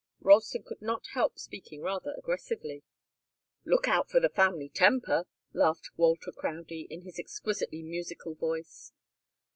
Ralston could not help speaking rather aggressively. "Look out for the family temper!" laughed Walter Crowdie, in his exquisitely musical voice.